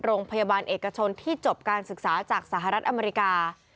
โรงพยาบาลเอกชนที่จบการศึกษาจากสหรัฐอเมริกา